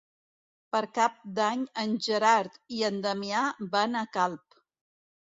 Per Cap d'Any en Gerard i en Damià van a Calp.